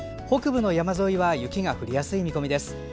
北部の山沿いは雪が降りやすい見込みです。